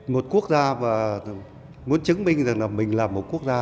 một quốc gia muốn chứng minh rằng mình là một quốc gia